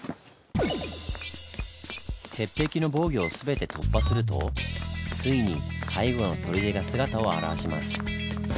鉄壁の防御を全て突破するとついに最後の砦が姿を現します。